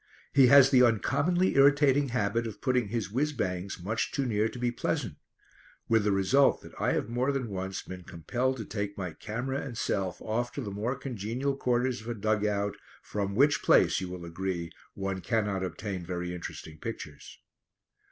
He has the uncommonly irritating habit of putting his whizz bangs much too near to be pleasant, with the result that I have more than once been compelled to take my camera and self off to the more congenial quarters of a dug out, from which place, you will agree, one cannot obtain very interesting pictures.